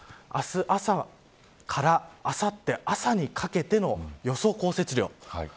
明日朝からあさって朝にかけての予想降雪量。